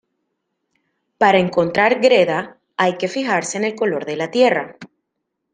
Para encontrar greda, hay que fijarse en el color de la tierra.